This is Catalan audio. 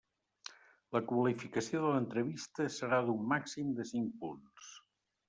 La qualificació de l'entrevista serà d'un màxim de cinc punts.